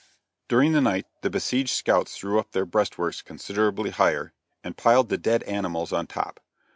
During the night the besieged scouts threw up their breastworks considerably higher and piled the dead animals on top.